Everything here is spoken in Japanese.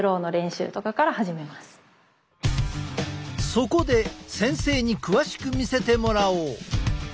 そこで先生に詳しく見せてもらおう！